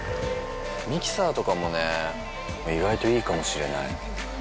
ミキサーとかもね意外といいかもしれない。